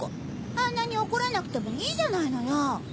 あんなにおこらなくてもいいじゃないのよ！